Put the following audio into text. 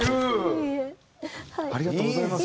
ありがとうございます。